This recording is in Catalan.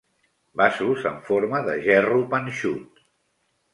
Vasos en forma de gerro panxut.